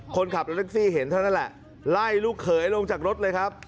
คนขับรถแท็กซี่เห็นเท่านั้นแหละไล่ลูกเขยลงจากรถเลยครับ